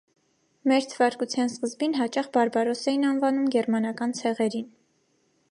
Մեր թվարկության սկզբին հաճախ բարբարոս էին անվանում գերմանական ցեղերին։